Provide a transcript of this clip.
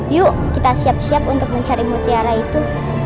yuk kita siap siap untuk mencari mutiara itu